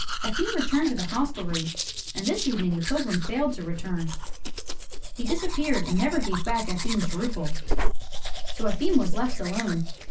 Efim returned to the hostelry and this evening the pilgrim failed to return. He disappeared and never gave back Efim's rouble. So Efim was left alone.